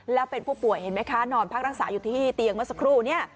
แล้วเป็นผู้ป่วยเห็นไหมคะนอนพักรักษาอยู่ที่เตียงเมื่อสักครู่นี้